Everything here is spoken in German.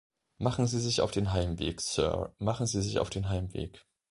Machen Sie sich auf den Heimweg, Sir, machen Sie sich auf den Heimweg!